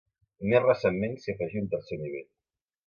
Més recentment s'hi afegí un tercer nivell.